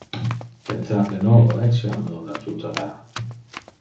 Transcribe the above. Tentar de novo etiam non adjutara.